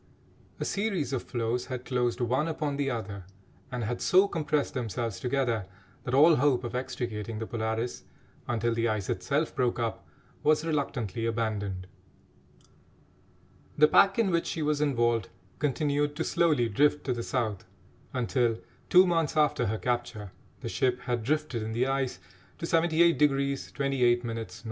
A series of floes had closed one upon the other, and had so compressed themselves together, that all hope of extricating the Polaris until the ice itself broke up was reluctantly abandoned. The pack in which she was involved continued to slowly drift to the South until, two months after her capture, the ship had drifted in the ice to 78° 28' N.